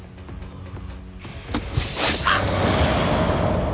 あっ！！